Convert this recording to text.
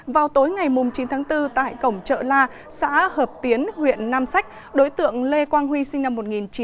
vào tối ngày chín tháng bốn tại cổng chợ la xã hợp tiến huyện nam sách đối tượng lê quang huy sinh năm một nghìn chín trăm tám mươi